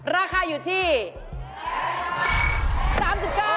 แพงกว่าแพงกว่าแพงกว่า